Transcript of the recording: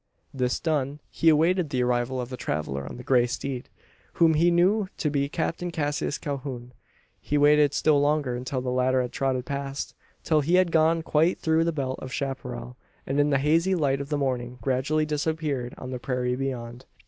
This done, he awaited the arrival of the traveller on the grey steed whom he knew to be Captain Cassius Calhoun. He waited still longer until the latter had trotted past; until he had gone quite through the belt of chapparal, and in the hazy light of the morning gradually disappeared on the prairie beyond.